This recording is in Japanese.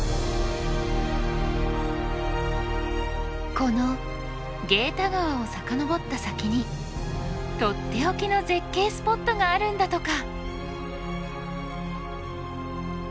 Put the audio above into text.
このゲータ川を遡った先にとっておきの絶景スポットがあるんだとか。